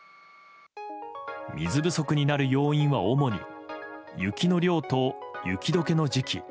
水不足になる要因は主に雪の量と雪解けの時期。